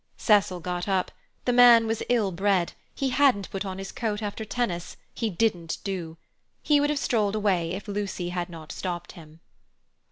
Cecil got up; the man was ill bred—he hadn't put on his coat after tennis—he didn't do. He would have strolled away if Lucy had not stopped him.